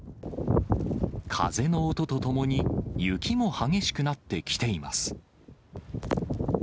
風の音とともに、雪も激しくなってきています。